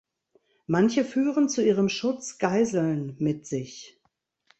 Manche führen zu ihrem Schutz Geiseln mit sich.